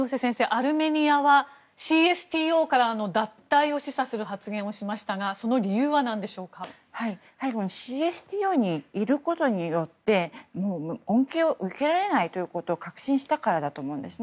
アルメニアはＣＳＴＯからの脱退を示唆する発言をしましたがＣＳＴＯにいることによってもう、恩恵を受けられないと確信したからだと思うんです。